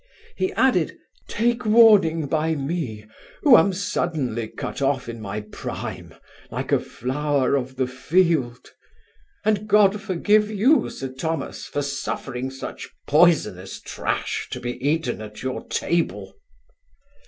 He added, 'Take warning by me, who am suddenly cut off in my prime, like a flower of the field; and God forgive you, Sir Thomas, for suffering such poisonous trash to be eaten at your table.